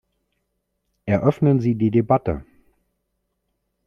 Eröffnen Sie die Debatte.